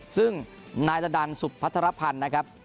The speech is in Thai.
ซึ่งนายตดันสุพัฒนภัณฑ์นะครับ